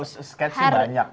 oh sketch sih banyak